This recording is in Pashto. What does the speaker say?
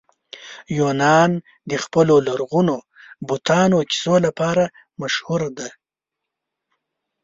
یونان د خپلو لرغونو بتانو کیسو لپاره مشهوره دی.